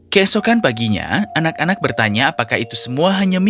keesokan paginya anak anak bertanya apakah itu semua hanya mencari